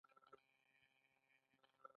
د پوهنتون ژوند د ځان نظارت غواړي.